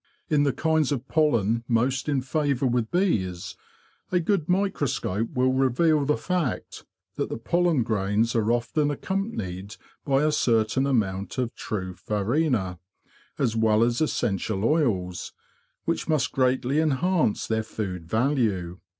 In the kinds of pollen most in favour with bees a good microscope will reveal the fact that the pollen grains are often accompanied by a certain amount of true farina, as well as essential oils, which must greatly enhance their food value.